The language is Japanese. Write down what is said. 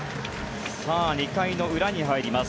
２回の裏に入ります。